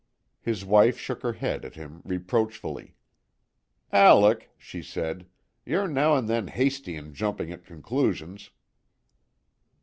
His wife shook her head at him reproachfully. "Alec," she said, "ye're now and then hasty in jumping at conclusions."